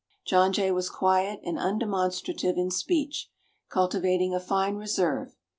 John Jay was quiet and undemonstrative in speech, cultivating a fine reserve.